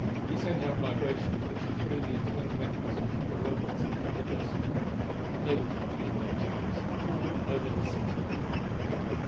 It sent out vibrations which threw the internal mechanisms of the Robots out of adjustment, and they were dropping in their tracks all over the city.